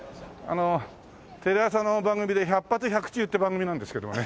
あのテレ朝の番組で「百発百中」っていう番組なんですけどもね。